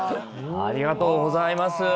ありがとうございます。